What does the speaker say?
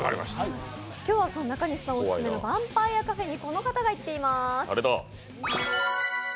今日は中西さんオススメのヴァンパイアカフェにこの方が行っています。